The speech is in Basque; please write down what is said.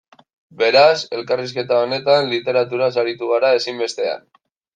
Beraz, elkarrizketa honetan, literaturaz aritu gara ezinbestean.